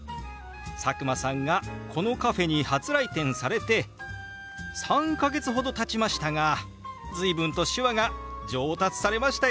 佐久間さんがこのカフェに初来店されて３か月ほどたちましたが随分と手話が上達されましたよね！